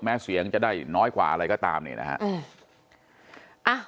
เสียงจะได้น้อยกว่าอะไรก็ตามเนี่ยนะฮะ